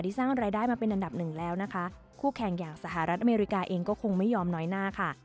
สร้างรายได้มาเป็นอันดับหนึ่งแล้วนะคะคู่แข่งอย่างสหรัฐอเมริกาเองก็คงไม่ยอมน้อยหน้าค่ะ